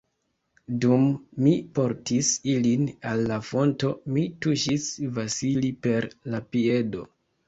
Dum mi portis ilin al la fonto, mi tuŝis Vasili per la piedo.